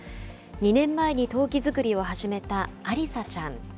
２年前に陶器作りを始めたアリサちゃん。